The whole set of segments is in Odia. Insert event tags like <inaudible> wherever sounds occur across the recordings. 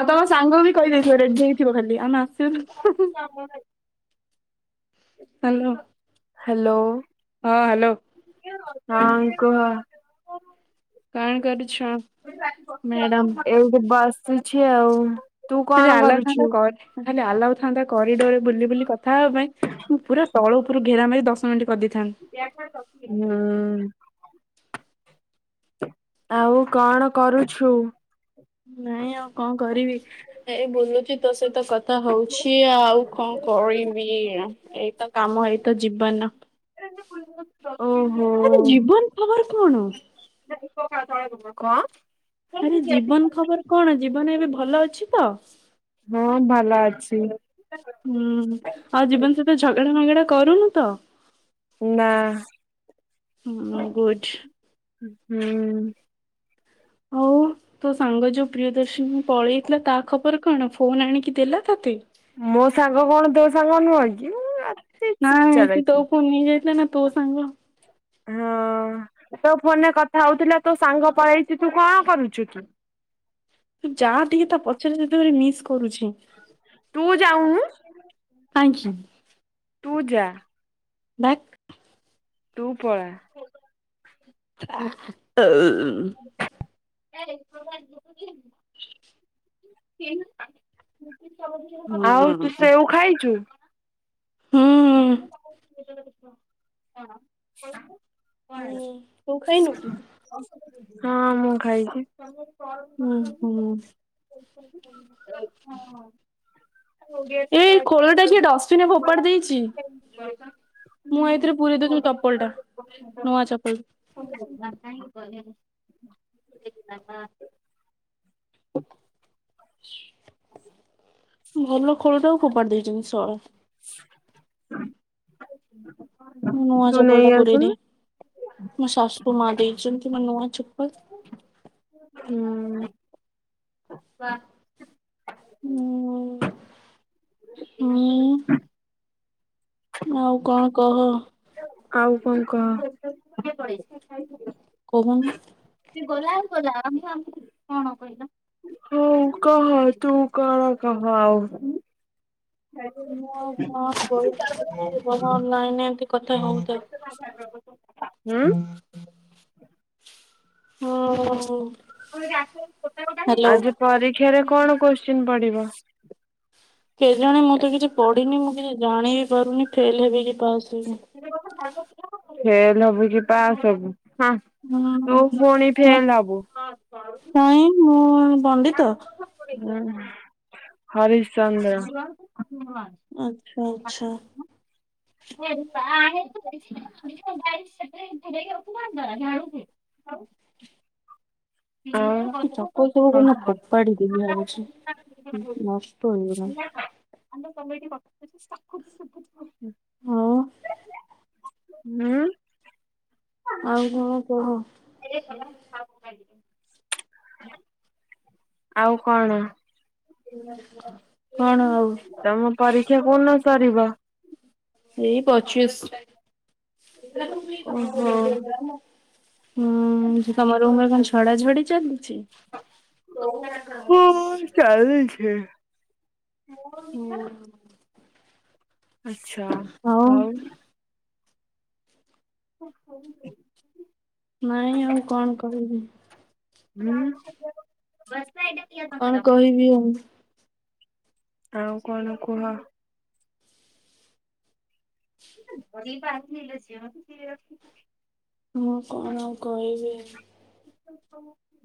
ଆଉ ତମ ସାଙ୍ଗ ବି କହିଦେଇଥିବ, ରେଡି ହେଇଥିବ, ଖାଲି ଆମେ ଆସିବୁ ହାଲୋ, ହ୍ୟାଲୋ ହଁ ହାଲୋ ହଁ କୁହ? କଣ କରୁଛୁ? ମ୍ୟାଡ଼ାମ ଛଉ <unintelligible> ଖାଲି ଆଲାଉଥାନ୍ତା <unintelligible> କରିଡର ରେ ବୁଲି ବୁଲି କଥା ହେବା ପାଇଁ, ମୁଁ ପୁରା ତଳ ଉପକୁ ଘେରା ମାରି ଦଶ ମିନିଟ <unintelligible> ହୁ ଆଉ କଣ କରୁଛୁ? ନାଇଁ ଆଉ କଣ କରିବି, ଏ ବୁଲୁଚ ତୋ ସହିତ କଥା ହଉଛି ଆଉ କଣ କରିବି, ଏଇତ କାମ, ଏଇତ ଜୀବନ ଓହୋ। ଆରେ ଜୀବନ ଖବର କଣ? <unintelligible> ଆରେ ଜୀବନ୍ ଖବର କଣ? ଜୀବନ ଏବେ ଭଲ ଅଛି ତ? ମୁଁ ଭଲ ଅଛି। ହୁଁ ଆଉ ଜୀବନ ସହିତ ଝଗଡା ମଗଡା କରୁନୁ ତ? ଉଁନା ହୁଁ ଗୁଡ଼୍। ହୁଁ। ହଉ ତୋ ସାଙ୍ଗ ଯୋଉ ପ୍ରିୟଦର୍ଶିନ ପଳେଇଥିଲା ତା ଖବର କଣ, ଫୋନ ଆଣିକି ଦେଲା ତତେ? ମୋ ସାଙ୍ଗ କଣ ତୋ ସାଙ୍ଗ ନୁହଁ କି ମା? ନାଇ ସେ ତୋ ଫୋନ ନେଇ ଯାଇଥିଲା ନା ତୋ ସାଙ୍ଗ। ହଁ। ତୋ ଫୋନରେ କଥା ହଉଥିଲା ତୋ ସାଙ୍ଗ ପଳେଇଚି ତୁ କଣ କରୁଛୁ କି? ଯାଆ ଟିକେ ତା ପଛରେ ତତେ ଭାରି ମିସ କରୁଛି ତୁ ଯାଉନୁ କାହିଁକି? ତୁ ଯା। ଭାକ୍। ତୁ ପଳା। ଆ ଅଉ ଉଁ। <inaudible> ଆଉ ତୁ ହୁଁ ସେଉ ଖାଇଛୁ? ହୁଁ। ସୋନାଲି ହୁଁ ତୁ ଖାଇନୁ କି? ହଁ ମୁଁ ଖାଇଛି। ହୁଁ ହୁଁ। ଏଇ ଖୋଳଟା କିଏ ଡଷ୍ଟବିନ୍ ରେ ଫୋପାଡ଼ି ଦେଇଚି? ମୁଁ ଏଇଥିରେ ପୁରେଇ ଦଉଛି ମୁଁ ଚପଲ ଟା ନୂଆ ଚପଲ। ଶ <inaudible> ଭଲ ଖୋଳଟାକୁ ଖୋପାଡ଼ି ଦେଇଛନ୍ତି ଶଳା। ନୂଆ ତୁ ଚପଲ ନେଇ ଟା ଆସୁନୁ ପୁରେଇଦିଏ। ମୋ ସାସୁ ମା ଦେଇଛନ୍ତି ମୋ ନୁଆ ଚପଲ। ହୁଁ ହୁଁ ହୁଁ। ଆଉ କଣ କହ? ଆଉ କଣ କହ? କହୁନୁ। କଣ କହିଲ? ହୋଉ କହ ତୁ କଣ କହ ଆଉ। ମୁଁ ଙ୍କ କହିନି ତତେ କଥା ରହ୍ ଲାଇନ୍ ରେ ଏମତି କଥା ହଉଥା। ହୁଁ? ହ <inaudible> ହଁ ହଁ। ଆଜି ପରୀକ୍ଷାରେ କଣ କୋଶ୍ଚିନ୍ ପଡିବ? କେଜେଣେ ମୁଁ ତ କିଛି ପଢି଼ନି ମୁଁ କିଛି ଜାଣିବି ପାରୁନି ଫେଲ୍ ହେବି କି ପାସ୍ ହେବି। ଫେଲ ହବୁ କି ପାସ୍ ହବୁ? ହଁ ହୁଁ ତୁ ପୁଣି ନାଁ ଫେଲ ହବୁ। କାଇଁ ମୁଁ ପଣ୍ଡିତ। ହୁଁ ହରିଶ୍ଚନ୍ଦ୍ର। ନୂଆ ଆଚ୍ଛା ଆଚ୍ଛା <inaudible> ଏ ପା ଆଣେ ଏଇଠି ତ ପଡିଚି ମାନେ ଉଡିଯିବ ଓଦା ହେଇଚି ସେଠିରେ ପୁରେଇ କି ରଖିଥାନ୍ତ ନା ଝାଡୁ କୁ ଆଉ। <inaudible> ଏ ଚକ ସବୁକୁ ମୁଁ କଣ? ଫୋପାଡ଼ି ଦେବି ଭାବିଛି। ଉଁ ନଷ୍ଟ ହେଇଗଲା। ଆମେ ତମେ ଟିଏ କଥା ହେଇଚେ ତାକୁ ବି <unintelligible> ଆଉ ହଁ ଆଉ କଣ କହ? ଲା <unintelligible> ଆଉ କଣ? କଣ ଆଉ ତମ ପରୀକ୍ଷା କୋଉଦିନ ସରିବ? ଏଇ ପଚିଶ <unintelligible> ଓହୋ ସେ କମରମରେ ଝଡାଝଡି ଚାଲିଛି। ହଁ ଚାଲିଛି। ହୁଁ। ଆଛା ଆଉ ହ <unintelligible> ନାଇଁ ଆଉ କଣ କହିବି? ହୁଁ। କଣ କହିବି ଆଉ ଆଉ କଣ କୁହ? ପ ବାହାରିଲିଲଛି <unintelligible> ହଁ କଣ ଆଉ କହିବି?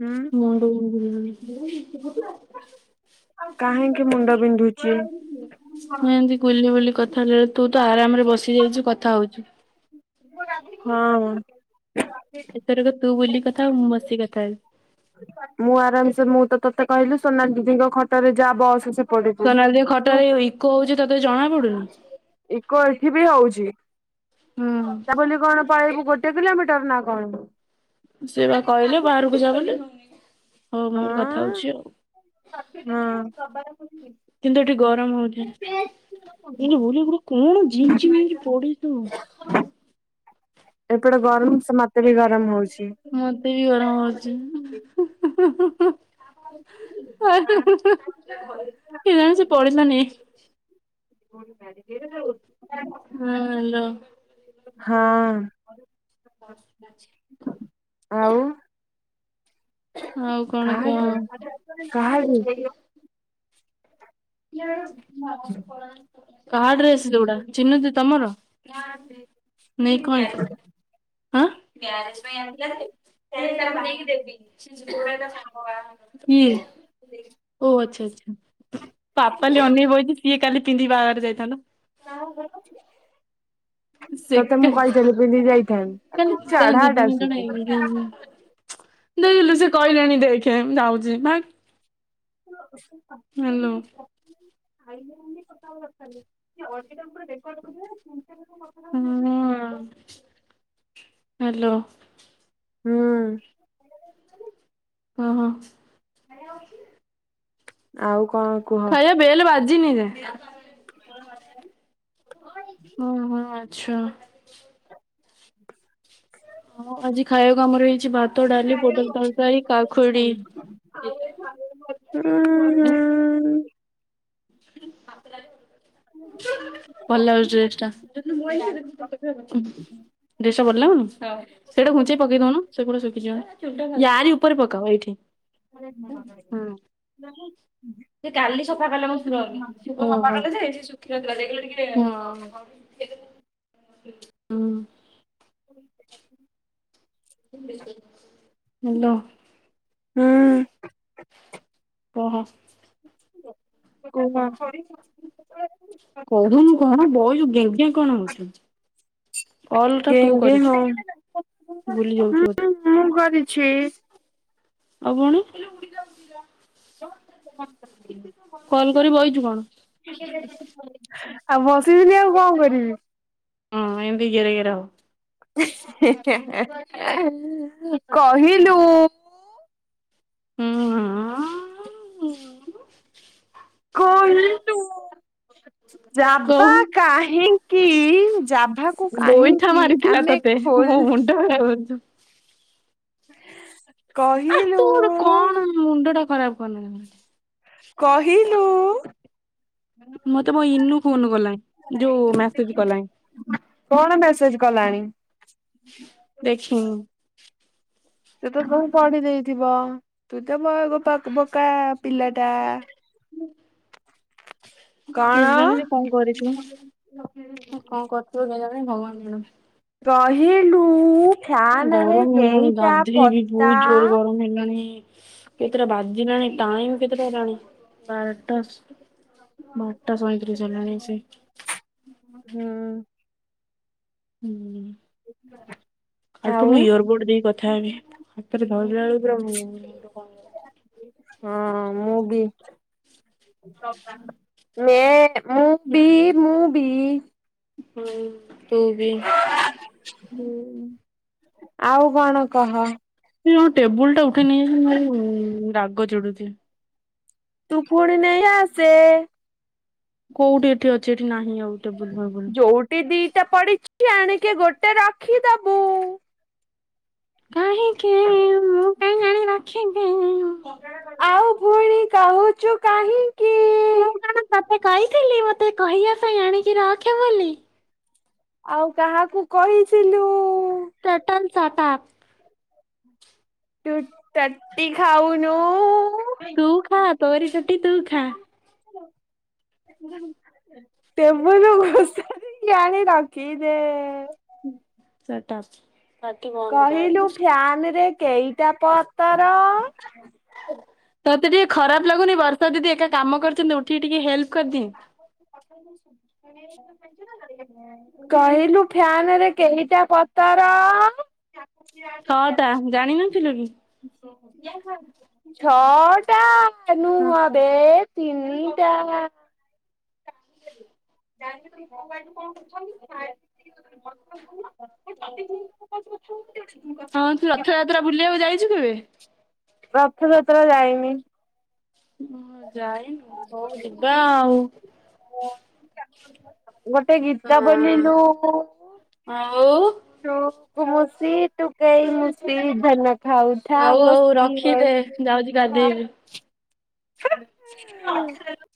ହୁଁ ମୁଣ୍ଡ କାହିଁକି ବିନ୍ଧିଲାଣି। ମୁଣ୍ଡ ବିନ୍ଧୁଛି? ମୁ ଏମିତି ବୁଲି ବୁଲି କଥା ହେଲା ତୁ ତୁ ଆରାମ ରେ ବସି ଯାଉଛୁ କଥା ହୋଉଚୁ। ହଁ। ଏଥରକ ତୁ ବୁଲ କଥା ମୁଁ ବସିିକି କଥା ମୁଁ ଆରାମସ ମୁଁ ତ ତତେ କହିଲି ସୋନା ଦିଦିଙ୍କ ଖଟରେ ଯା ବ ସେ ସୋନାଲଦ ଖଟାରେ ଇକୋ ହୋଉଚି ତତେ ଜଣା ପଡୁନୁ। ଏଠି ବି ହଉଛି ହୁଁ ତା ବୋଲି କଣ ପାଳକୁ ଗୋ କେତେ କିଲୋମିଟର ନା କଣ ସେ ବା କହିଲେ ବାହାରକୁ ଯ ବୋଲି ହୋଉ ମୁଁ କଥା ଆଁ ହୋଉଚି। ହଁ କିନ୍ତୁ ଏଠି ଗରମ ହଉଛି <unintelligible> <unintelligible> ଏପଟେ ଗରମ ମତେ ବି ଗରମ ହଉଛି। ମତେ ବି ଗରମ ହୋଉଚି। <unintelligible> ଏ ଜ ସେ ପଢିଲା ହଁ ହାଲୋ ହଁ। ଅଛି। ଆଉ ଆଉ କଣ କ କାହାର? କାହା ଡ୍ରେସ ଦୋଉଡା ଚିି <unintelligible> ତମର? ହ ହଁ ମ୍ୟାରେଜ୍ ପାଇଁ <unintelligible> <unintelligible> ଓ ଆଚ୍ଛା ଆଚ୍ଛା। ପାପାଲି ଅନେଇ ବଇଛି ସିଏ କାଲି ପିନ୍ଧି ବାହାଘର ଯାଇଥାନ୍ତା। ସେ ତତେ କା ମୁଁ କହିଥିଲି ପିନ୍ଧିକି ଯାଇଥାନ୍ତି ତୁ <unintelligible> ଚଢାଟା ସୁଧୁ। ଦେଇିଲୁ ସେ କହିଲେଣି ଦେଖେ ଯାଉଚି ଭାଇ ପ ପତ୍ ପ ଖାଇଲେ କଥାବ ଦରକାର ସେ <unintelligible> ରେକର୍ଡ କର। ହଁ। ହ୍ୟାଲୋ। ହୁଁ। ହଁ ହଁ। ଆଉ କ ଖାଇବା ବେଲ୍ ବାଜି ନି ଏ ଯା ହଁ ହଁ ଆଚ୍ଛା। ହଁ ଆଜି ଖାଇବାକୁ ଆମର ହେଇଚି ଭାତ ଡା ଲି ପୋଟଳ ତରକାରୀ କାକୁଡ଼ି। ହୁଁ ହୁଁ ଭାତ ଡାଲି ବଡି ତରକାରୀ। ହଁ। ଭଲ ଲାଗୁଚି ଡ୍ରେସ ଟା। ଡ୍ରେସ୍ ଟା ଭଲ ଲାଗୁନି ହଁ ସେଇଟା ଘୁଞ୍ଚେଇ ପକି ଦଉନ। ଶୁଖିଯିବ ଆରି ଉପରେ ପକାଅ ଏଇଠି। ହୁଁ ସେ କାଲି ସଫା କଲା ମ ସେ ସଫକାଲେ ଜେ ସୁଖିନଥିଲା ହଁ ଦେଖିଲେ ଟିକେ ହଁ। ହଁ। <inaudible> ହ୍ୟାଲୋ ଉଁ-ଉ-ଉ ଓହୋ। କୁହ <inaudible> କହୁନୁ କଣ ବଇଛୁ ଗେଙ୍ଗେ କଣ ହଉଛୁ, କଲ୍ ଟା ତୁ ଗେଙ୍ଗେ କରିଛୁ ହଁ ଭୁଲି ଯାଉଛୁ ବୋଧେ। ଛି ଆଉ କଣ ହ୍ୟାଲୋ କଲ୍ କରି ବଇଛୁ କଣ? ଆଉ ବସିବିନି ଆଉ କଣ କରିବି। ହଁ ଏମିତି ଗେରେ ଗେରେ ହ। ହିଁ ହିଁ ହିଁ ହିଁ କହିଲୁ-ଉ-ଉ-ଉ ହୁଁ ହୁଁ କହିଲୁ-ଉ-ଉ ଯାବା କହୁ କାହିଁକି ଯାଭାକୁ ଗୋଇଠା କାହିଁକି ମାରିଥିଲା ଆମେ ତତେ ଖୋ ମୋ ମୁଣ୍ଡ <unintelligible> ଆ କହିଲୁ-ଉ-ଉ-ଉ କନ କହିଲୁ-ଉ-ଉ-ଉ ମତେ ମୋ ଇନୁ ଫୋନ୍ କଲାଇ ଯୋଉ ମେସେଜ୍ କଲାଇ। କଣ ମେସେଜ୍ କଲାଣି? ଦେଖିନି। ସେ ତ ବହି ପଢି ଦେଇଥିବ ତୁ ତ <unintelligible> ବୋକା ପିଲା ଟା। କଣ କେ ଜାଣି ସେ କଣ କରିଥିବ କଣ କରିଥିବ କେଜାଣି ଭଗବାନ କୁ ଜଣା। କହିଲୁ-ଉ-ଉ-ଉ ଫ୍ୟାନ ଗରମ ରେ ହେଲାଣି କେଇଟା ଗାଧେଇବି ପତା? ବହୁତ ଜୋର ଗରମ ହେଲାଣି କେତେଟା ବାଜିଲାଣି ଟାଇମ୍ କେତେଟା ହେଲାଣି ବାରଟା ବାରଟା ସଇଁତ୍ରିସ୍ ହେଲାଣି ଆସି। ହୁଁ। ହୁଁ। ସେ ଥିଲା <inaudible> କାଲିଠୁ ମୁଁ ଇୟର ବୋର୍ଡ ଦେଇି କଥା ହେବି। ହାତରେ ଧରିଲାବେଳକୁ ପୁରା ମୁଣ୍ଡ କଣ ହେଇଗଲା। ହଁ ମୁଁ ବି। ମେ ମୁଁ ବି ମୁଁ ବି। ହଁ, ତୁ ବି। ଆଉ କଣ କହ? ଏ ଜ ଟେବୁଲ ଟା ଉଠେଇ ନେଇଯାଇଛନ୍ତି ଭାରି-ଇ-ଇ-ଇ ରାଗ ଚିଡୁଛି। ତୁ ପୁଣି ନେଇ ଆସେ। କୋଉଠି ଏଠି ଅଛି। ଏଠି ନାହିଁ ଆଉ। ଟେବୁଲ ଫେବୁଲ। ଯୋଉଠି ଦିଟା ପଡିଛି ଆଣିକି ଗୋଟେ ରଖିଦବୁ-ଉ-ଉ। <inaudible> କାଇ ଆଣି ରଖିମ୍ ଆଉ ପୁଣି କହୁଛୁ କାହିଁକି? ମୁଁ କଣ ତତେ କହିଥିଲି। ମତେ କହିବା ପାଇଁ ଆଣିକି ରଖେ ବୋଲି। ଆଉ କାହାକୁ କହିଥିଲୁ-ଉ-ଉ-ଉ-ଉ? <unintelligible> ତୁ ତଟି ଖାଉନୁ-ଉ-ଉ-ଉ ତୁ ଖା ତୋରି ଟଟି ତୁ ଖା। <inaudible> <inaudible> ଟେବୁଲ ଘୋଷରିକି ଆଣିକି ରଖିଦେ ଉଁ ଶାଡ଼ାପ୍ କହିଲୁ ଫ୍ୟାନ ରେ କେଇଟା ପତର? ତୋତେ ଟିକେ ଖରାପ ଲାଗୁନି ବର୍ଷା ଦିଦି ଏକା କାମ କରୁଚନ୍ତି। ଉଠିକି ଟିକେ ହେଲ୍ପ କରିଦିଏ। <inaudible> କହିଲୁ ଫ୍ୟାନରେ କେଇଟା ପ ତର। ଛଅଟା ଜାଣିନଥିଲୁ କି <inaudible> ଛଅଟା ହଁ ନୁହଁ ବେ ତିନିଟା। <unintelligible> ହଁ, ତୁ ରଥଯାତ୍ରା ବୁଲିବାକୁ ଯାଇଛୁ କେବେ? ରଥଯାତ୍ରା ଯାଇନି। ଉଁ ଯାଇନୁ ହୋଉ ଯିବା ଆଉ। ଗୋଟେ ଗୀତ ହଁ ବୋଲିଲୁ ଆଉ ଟୁକୁ ମୁସି ଟୁକେଇ ମୁଶି ଧାନ ଖା ଉଥା ଆଉ ହଉ ବସି ରଖିଦେ ଯାଉଛି ବସି ଗାଧେଇବି। ହଁ <inaudible> <inaudible>